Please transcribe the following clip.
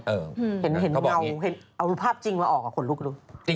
เห็นเงาเอาภาพจริงมาออกกับคนลุกก็ดู